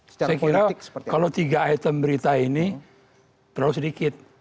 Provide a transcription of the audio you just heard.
saya kira kalau tiga item berita ini terlalu sedikit